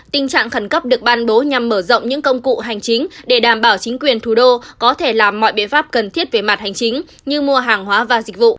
tình trạng khẩn cấp được ban bố nhằm mở rộng những công cụ hành chính để đảm bảo chính quyền thủ đô có thể làm mọi biện pháp cần thiết về mặt hành chính như mua hàng hóa và dịch vụ